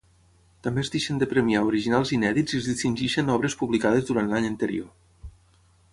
També es deixen de premiar originals inèdits i es distingeixen obres publicades durant l’any anterior.